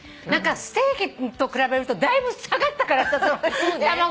ステーキと比べるとだいぶ下がったから卵。